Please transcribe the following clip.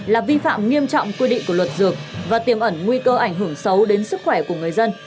là vi phạm nghiêm trọng quy định của luật dược và tiềm ẩn nguy cơ ảnh hưởng xấu đến sức khỏe của người dân